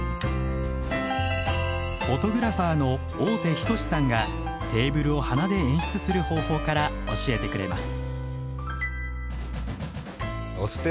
フォトグラファーの大手仁志さんがテーブルを花で演出する方法から教えてくれます。